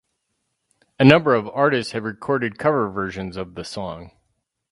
A number of artists have recorded cover versions of the song.